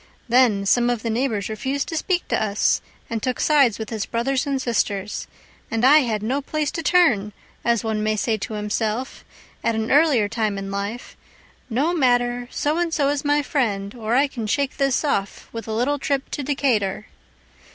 Then some of the neighbors refused to speak to us, And took sides with his brothers and sisters. And I had no place to turn, as one may say to himself, At an earlier time in life; "No matter, So and so is my friend, or I can shake this off With a little trip to Decatur."